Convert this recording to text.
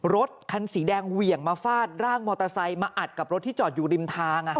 รถคันสีแดงเหวี่ยงมาฟาดร่างมอเตอร์ไซค์มาอัดกับรถที่จอดอยู่ริมทาง